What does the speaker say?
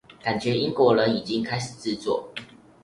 感覺英國人已經開始製作